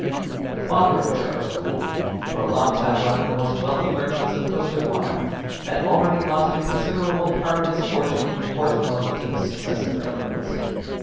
The father of Charles Gould, for a long time one of the most wealthy merchants of Costaguana, had already lost a considerable part of his fortune in forced loans to the successive Governments.